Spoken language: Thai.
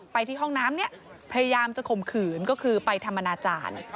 ที่ห้องน้ำเนี่ยพยายามจะข่มขืนก็คือไปทำอนาจารย์